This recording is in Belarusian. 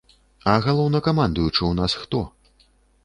А галоўнакамандуючы ў нас хто?